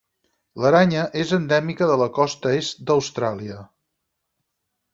L'aranya és endèmica de la costa est d'Austràlia.